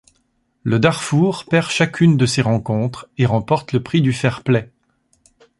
Le Darfour perd chacune de ses rencontres et remporte le prix du fair-play.